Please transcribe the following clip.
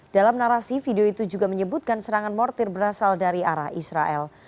dalam narasi video itu juga menyebutkan serangan mortir berasal dari arah israel